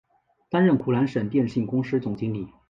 担任湖南省电信公司总经理。